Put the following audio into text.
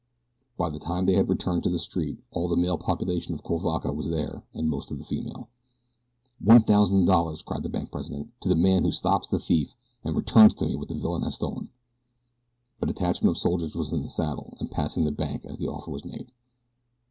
By the time they had returned to the street all the male population of Cuivaca was there and most of the female. "One thousand dollars," cried the bank president, "to the man who stops the thief and returns to me what the villain has stolen." A detachment of soldiers was in the saddle and passing the bank as the offer was made.